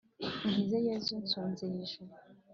unkizeyezu nsonzeye ijuru